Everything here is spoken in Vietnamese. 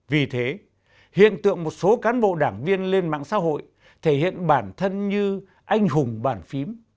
vì thế hiện tượng một số cán bộ đảng viên lên mạng xã hội thể hiện bản thân như anh hùng bản phím